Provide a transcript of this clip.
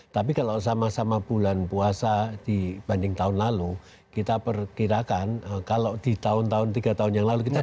tapi kalau sama sama bulan puasa dibanding tahun lalu kita perkirakan kalau di tahun tahun tiga tahun yang lalu